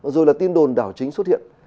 rồi là tin đồn đảo chính xuất hiện